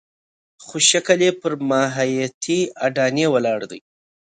خو شکل یې پر ماهیتي اډانې ولاړ دی.